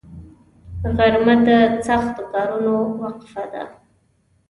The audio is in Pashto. غرمه د سختو کارونو وقفه ده